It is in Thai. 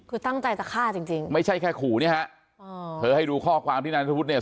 คือตั้งใจจะฆ่าจริงจริงไม่ใช่แค่ขู่เนี่ยฮะอ๋อเธอให้ดูข้อความที่นายนัทธวุฒิเนี่ย